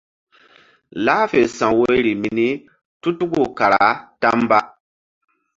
Lah fe sa̧w woyri mini tu tuku kara ta mba.